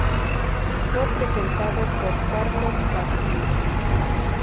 Fue presentado por Carlos Carlín.